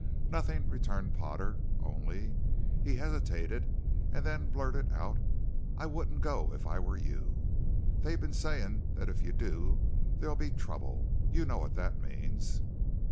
"Nothing," returned Potter; "only " he hesitated and then blurted out: "I wouldn't go if I were you. They've been saying that if you do there'll be trouble. You know what that means."